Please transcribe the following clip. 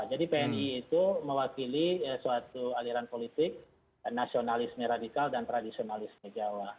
jadi pni itu mewakili suatu aliran politik nasionalisme radikal dan tradisionalisme jawa